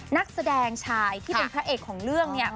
นักแสดงชายที่เป็นพระเอกของเรื่องเนี่ย